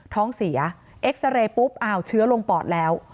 ท้องเสียเอ็กซาเรย์ปุ๊บอ้าวเชื้อลงปอดแล้ว